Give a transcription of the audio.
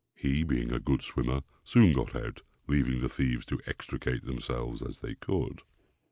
He, being a good swimmer, soon got out, leaving the thieves to extricate themselves as they could.